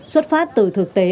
xuất phát từ thực tế